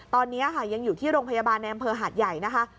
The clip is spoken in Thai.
ตอนนี้ยังอยู่ที่โรงพยาบาลแนมเพอร์หาดใหญ่นะคะ